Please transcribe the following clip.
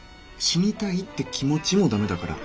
死にたいって気持ちも駄目だから。